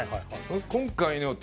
今回の。